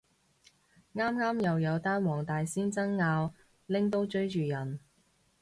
啱啱又有單黃大仙爭拗拎刀追住人